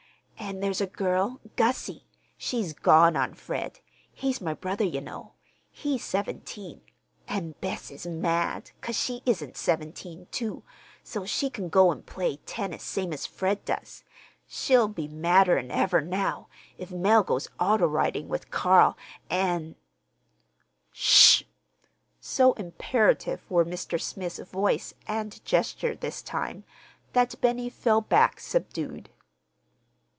"An' there's a girl—Gussie. She's gone on Fred. He's my brother, ye know. He's seventeen; an' Bess is mad 'cause she isn't seventeen, too, so she can go an' play tennis same as Fred does. She'll be madder 'n ever now, if Mell goes auto riding with Carl, an'—" "Sh h!" So imperative were Mr. Smith's voice and gesture this time that Benny fell back subdued.